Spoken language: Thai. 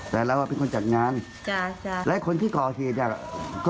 เขาทะเลาะกันข้างนอก